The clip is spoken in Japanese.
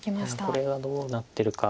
これがどうなってるか。